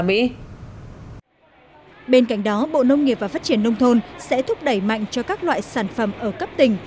bên cạnh đó bộ nông nghiệp và phát triển nông thôn sẽ thúc đẩy mạnh cho các loại sản phẩm ở cấp tỉnh